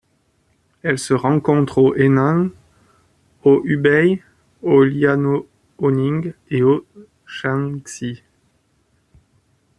Elle se rencontre au Henan, au Hubei, au Liaoning et au Shaanxi.